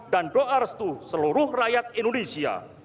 dan doa restu seluruh rakyat indonesia